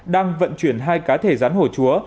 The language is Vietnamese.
đang vận chuyển hai cá thể rắn hổ chúa